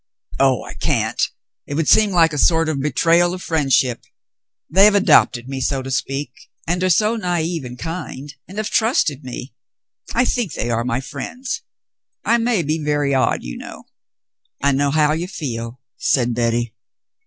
"Oh, I can't. It would seem like a sort of betrayal of friendship. They have adopted me, so to speak, and are so naive and kind, and have trusted me — I think they are my friends. I may be very odd — you know." "I know how you feel," said Betty.